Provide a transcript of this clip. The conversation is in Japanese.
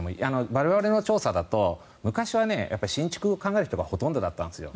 我々の調査だと昔は新築を考える人がほとんどだったんですよ。